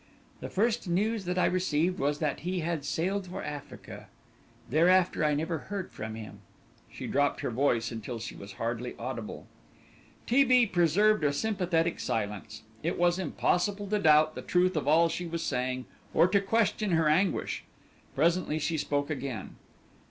The first news that I received was that he had sailed for Africa; thereafter I never heard from him." She dropped her voice until she was hardly audible. T. B. preserved a sympathetic silence. It was impossible to doubt the truth of all she was saying, or to question her anguish. Presently she spoke again.